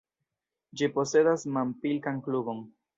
Ĝi posedas manpilkan klubon.